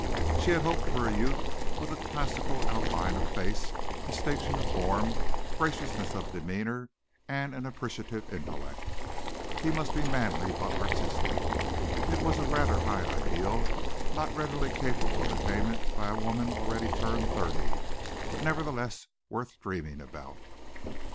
She had hoped for a youth with a classic outline of face, distinction of form, graciousness of demeanor and an appreciative intellect. He must be manly but artistic. It was a rather high ideal, not readily capable of attainment by a woman already turned thirty, but nevertheless worth dreaming about.